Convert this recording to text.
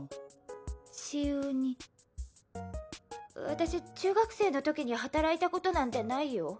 私中学生のときに働いたことなんてないよ。